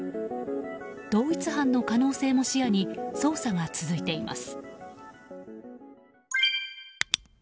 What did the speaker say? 同一犯の可能性も視野に捜査が続いています。